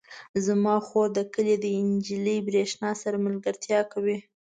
زما خور د کلي د نجلۍ برښنا سره ملګرتیا کوي.